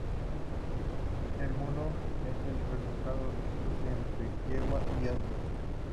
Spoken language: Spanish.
El mulo es el resultado del cruce entre yegua y asno.